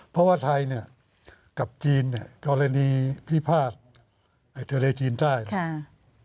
เพราะว่าไทยเนี่ยกับจีนเนี่ยกรณีพิพาททะเลจีนใต้ค่ะ